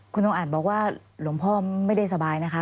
คุณองค์อาจบอกว่าหลวงพ่อไม่ได้สบายนะคะ